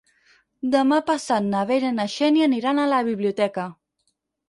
Demà passat na Vera i na Xènia aniran a la biblioteca.